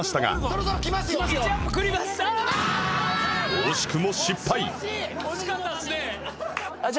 惜しくも失敗